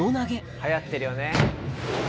はやってるよね。